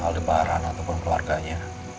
sebaran ataupun keluarganya